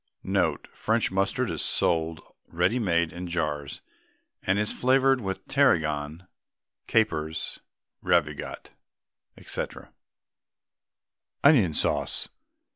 N.B. French mustard is sold ready made in jars, and is flavoured with tarragon, capers, ravigotte, &c. ONION SAUCE.